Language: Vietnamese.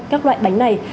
các loại bánh này